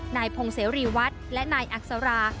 นายพงเสรีวัฒน์และนายอักษรา